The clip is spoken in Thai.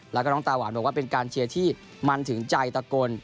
แล้วก็น้องตาหวานบอกว่าเป็นการเชียร์ที่มันถึงใจตะโกน